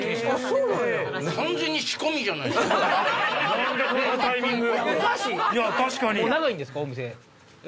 何でこのタイミング？